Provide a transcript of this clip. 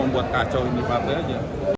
buat kacau ini partai aja